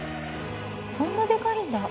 そんなでかいんだ。